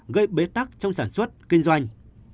gây bế tắc trong sản xuất kinh doanh